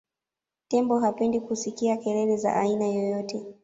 tembo hapendi kusikia kelele za aina yoyote